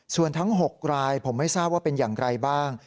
ส่วนทั้ง๖รายผมไม่ทราบว่าเป็นอย่างไรบ้าง